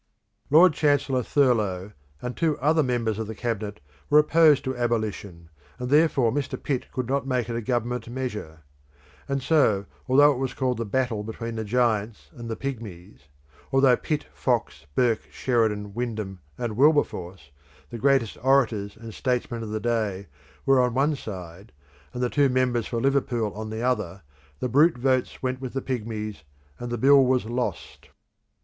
Lord Chancellor Thurlow and two other members of the Cabinet were opposed to abolition, and therefore Mr. Pitt could not make it a government measure; and so although it was called the battle between the giants and the pigmies; although Pitt, Fox, Burke, Sheridan, Windham, and Wilberforce, the greatest orators and statesmen of the day, were on one side, and the two members for Liverpool on the other, the brute votes went with the pigmies, and the bill was lost.